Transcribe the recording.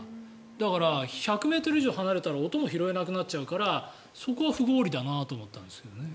だから１００ｍ以上離れたら音も拾えなくなっちゃうからそこは不合理だなと思うんですよね。